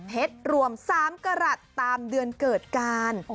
เพชรรวม๓กรัตตามเดือนเกิดกาน